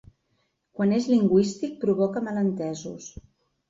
Quan és lingüístic provoca malentesos.